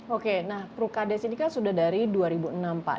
oke nah prukades ini kan sudah dari dua ribu enam pak